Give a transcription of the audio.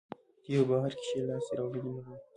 دوی په بهر کې ښې لاسته راوړنې لري.